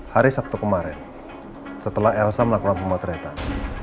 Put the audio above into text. hari sabtu kemarin setelah elsa melakukan pemotretan